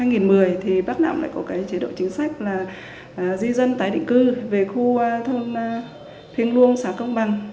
tuy nhiên trên năm hai nghìn chín hai nghìn một mươi thì bắc nạm lại có cái chế độ chính sách là di dân tái định cư về khu thôn phiêng luông xã công bằng